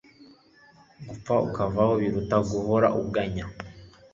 gupfa ukavaho biruta guhora uganya